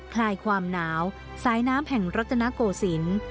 คลายความหนาวสายน้ำแห่งรัฐนโกศิลป์